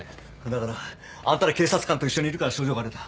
だからあんたら警察官と一緒にいるから症状が出た。